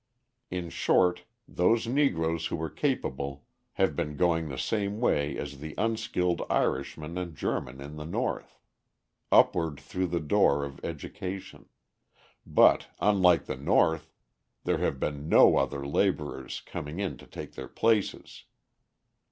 In short, those Negroes who were capable have been going the same way as the unskilled Irishman and German in the North upward through the door of education but, unlike the North, there have been no other labourers coming in to take their places.